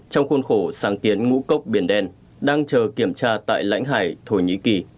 trong khuôn khổ sáng kiến ngũ cốc biển đen đang chờ kiểm tra tại lãnh hải thổ nhĩ kỳ